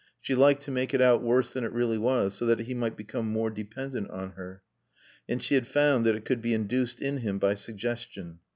She liked to make it out worse than it really was, so that he might be more dependent on her. And she had found that it could be induced in him by suggestion.